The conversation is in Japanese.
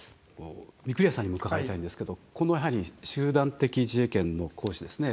御厨さんにも伺いたいんですけどやはり集団的自衛権の行使ですね。